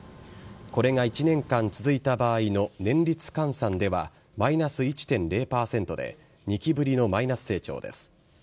これが１年間続いた場合の年率換算ではマイナス１．０％で２期ぶりのマイナス成長です。